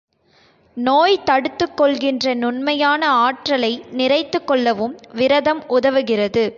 நோய் தடுத்துக் கொள்கின்ற நுண்மையான ஆற்றலை நிறைத்துக் கொள்ளவும் விரதம் உதவுகிறது.